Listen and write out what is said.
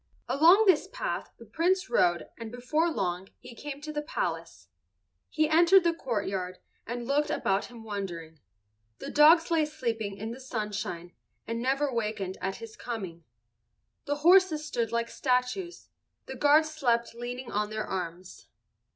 Along this path the Prince rode and before long he came to the palace. He entered the courtyard and looked about him wondering. The dogs lay sleeping in the sunshine and never wakened at his coming. The horses stood like statues. The guards slept leaning on their arms.